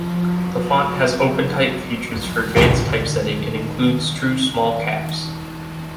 The font has OpenType features for advanced typesetting and includes true small caps.